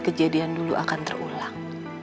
kejadian dulu akan terulang